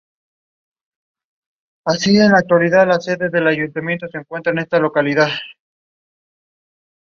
The river is also frequented by bustards and ducks.